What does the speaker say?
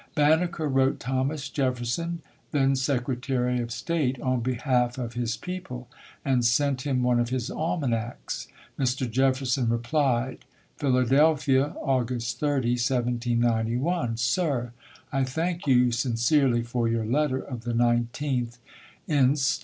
Banneker wrote Thomas Jefferson, then Sec retary of State, on behalf of his people, and sent him one of his almanacs. Mr. Jefferson replied : Philadelphia, August 30, 1791. Sir I thank you sincerely for your letter of the 19th inst.